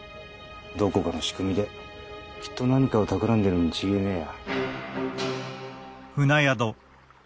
どこかのしくみできっと何かをたくらんでるに違えねえや。